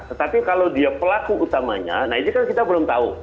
tetapi kalau dia pelaku utamanya nah ini kan kita belum tahu